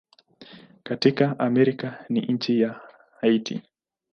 Katika Amerika ni nchi ya Haiti.